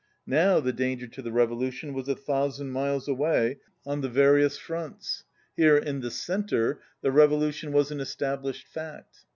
Now the danger to the revolution was a thousand miles away on the va 139 rious fronts. Here, in the centre, the revolution was an established fact.